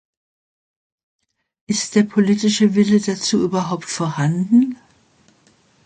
Ist der politische Wille dazu überhaupt vorhanden?